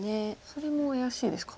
それも怪しいですか。